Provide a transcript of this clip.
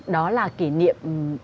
đó là kỷ niệm